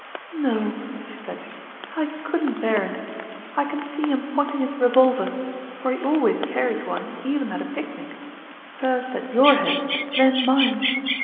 " No," she said, " I couldn't bear it. I can see him pointing his revolver for he always carries one, even at a picnic first at your head, then mine